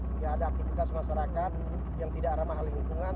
jika ada aktivitas masyarakat yang tidak ramah lingkungan